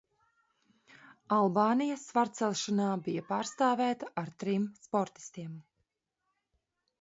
Albānija svarcelšanā bija pārstāvēta ar trim sportistiem.